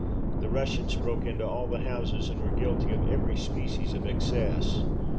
The Russians broke into all the houses, and were guilty of every species of excess.